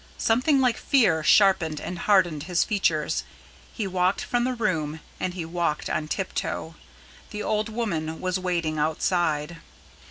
Something like fear sharpened and hardened his features. He walked from the room, and he walked on tiptoe. The old woman was waiting outside.